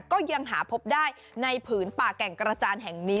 ก็ยังหาพบได้ในผืนป่าแก่งกระจานแห่งนี้